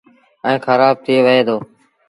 ائيٚݩ کرآب ٿئي وهي دو۔